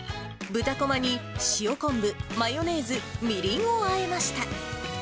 豚こまに塩昆布、マヨネーズ、みりんをあえました。